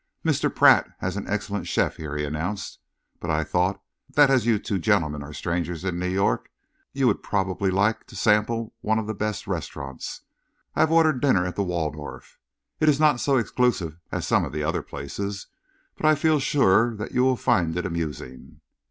"Mr. Pratt has an excellent chef here," he announced, "but I thought that as you two gentlemen are strangers in New York, you would probably like to sample one of the best restaurants. I have ordered dinner at the Waldorf. It is not so exclusive as some of the other places, but I feel sure that you will find it amusing."